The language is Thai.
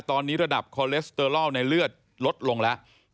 ตอนนี้ระดับคอเลสเตอร์ลอลในเลือดลดลงแล้ว